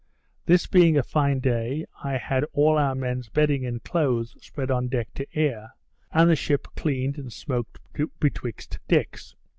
This being a fine day, I had all our men's bedding and clothes spread on deck to air; and the ship cleaned and smoked betwixt decks.